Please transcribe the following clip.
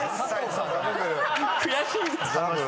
「悔しいです」